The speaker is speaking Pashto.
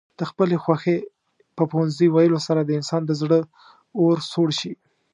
د خپلې خوښې په پوهنځي ويلو سره د انسان د زړه اور سوړ شي.